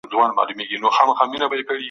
د انسان ذهن د ناپېژندل سوي نړۍ مرکز دی.